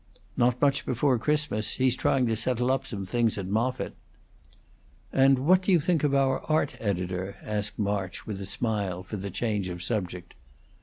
"Not much before Christmas. He's trying to settle up some things at Moffitt." "And what do you think of our art editor?" asked March, with a smile, for the change of subject.